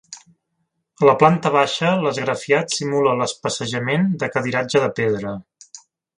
A la planta baixa l'esgrafiat simula l'especejament de cadiratge de pedra.